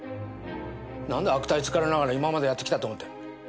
なんで悪態つかれながら今までやってきたと思ってる。